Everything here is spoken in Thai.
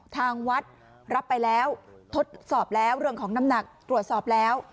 ทางวัดรับไปแล้วทดสอบแล้วเรื่องของน้ำหนักตรวจสอบแล้ว